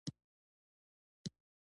ښارونه د افغانستان په هره برخه کې شته.